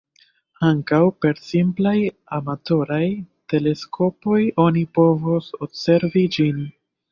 Ankaŭ per simplaj amatoraj teleskopoj oni povos observi ĝin.